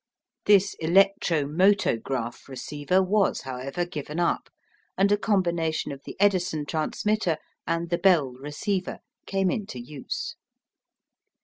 This "electro motograph" receiver was, however, given up, and a combination of the Edison transmitter and the Bell receiver came into use.